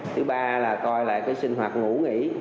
thứ ba là coi lại cái sinh hoạt ngủ nghỉ